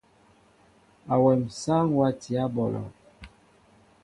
Awém sááŋ watiyă ɓɔlɔ.